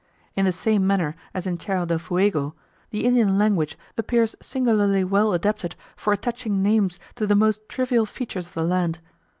In the same manner as in Tierra del Fuego, the Indian language appears singularly well adapted for attaching names to the most trivial features of the land.